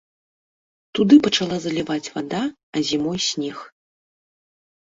Туды пачала заліваць вада, а зімой снег.